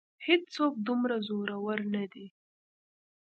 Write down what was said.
هېڅ څوک دومره زورور نه دی.